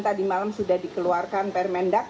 tadi malam sudah dikeluarkan permendak